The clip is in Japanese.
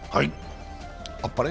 あっぱれ？